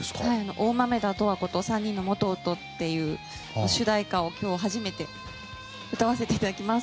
「大豆田とわ子と三人の元夫」っていう主題歌を今日初めて歌わせていただきます。